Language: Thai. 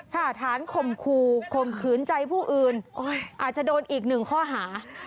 ถ้าฐานข่มขู่ข่มขืนใจผู้อื่นอาจจะโดนอีกหนึ่งข้อหา